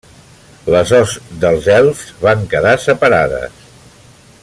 Les hosts dels elfs van quedar separades.